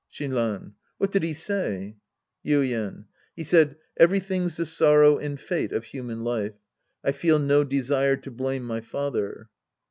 Shinran. What did he say ? Yuien. He said, " Everything's the sorrow and fate of human life. I feel no desire to blame my father."